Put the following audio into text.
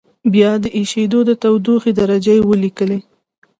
بیا د اېشېدو تودوخې درجه ولیکئ.